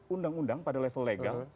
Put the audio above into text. undang undang pada level legal